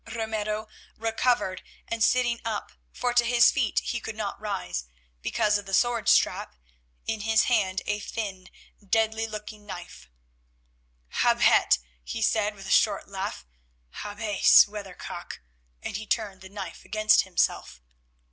Ramiro recovered and sitting up, for to his feet he could not rise because of the sword strap, in his hand a thin, deadly looking knife. "Habet!" he said with a short laugh, "habes, Weather cock!" and he turned the knife against himself.